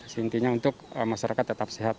seintinya untuk masyarakat tetap sehat